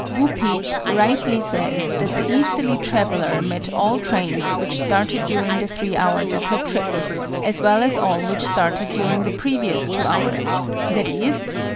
BO PEEP rightly says that the easterly traveller met all trains which started during the 3 hours of her trip, as well as all which started during the previous 2 hours, _i.e.